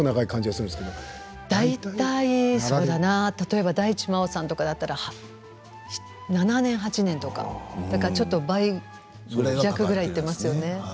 大体そうだな大地真央さんだったら７年８年とかだからちょっと倍弱ぐらいいってますよね。